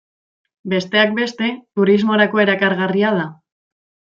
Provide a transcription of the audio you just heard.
Besteak beste, turismorako erakargarria da.